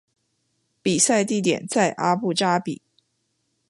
比赛地点在阿布扎比。